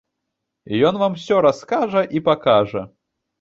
Ён вам усё раскажа і пакажа.